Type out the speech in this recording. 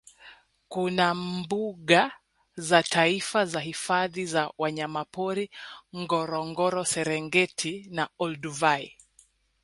Kuna mbuga za taifa na hifadhi za wanyamapori Ngorongoro Serengeti na Olduvai